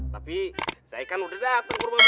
tapi saya kan udah dateng ke rumah waji